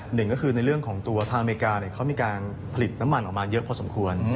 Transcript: หนึ่งก็คือในเรื่องของตัวทางอเมริกาเขามีการผลิตน้ำมันออกมาเยอะพอสมควร